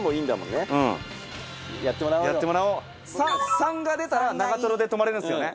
３が出たら長で止まれるんすよね？